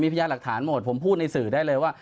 พยายามหลักฐานหมดผมพูดในสื่อได้เลยว่า